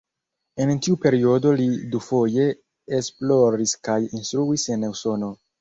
En tiu periodo li dufoje esploris kaj instruis en Usono.